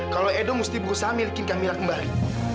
kalau edo mesti berusaha milikin camilan kembali